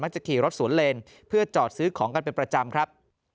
จะขี่รถสวนเลนเพื่อจอดซื้อของกันเป็นประจำครับ